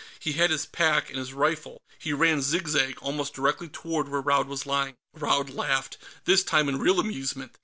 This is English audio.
He had his pack, and his rifle; he ran, zig zag, almost directly toward where Raud was lying. Raud laughed, this time in real amusement.